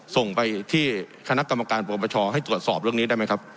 ส่งไปที่คณะกรรมการปรปชให้ตรวจสอบเรื่องนี้ได้ไหมครับ